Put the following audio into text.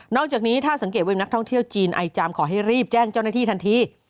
อกจากนี้ถ้าสังเกตว่านักท่องเที่ยวจีนไอจามขอให้รีบแจ้งเจ้าหน้าที่ทันที